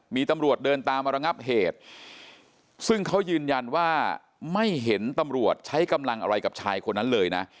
มีตำรวจเดินตามมาระงับเหตุซึ่งเขายืนยันว่าไม่เห็นตำรวจใช้กำลังอะไรกับชายคนนั้นเลยนะ